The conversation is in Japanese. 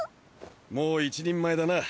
もう一人前だな。